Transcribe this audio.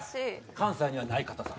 関西にはない硬さ。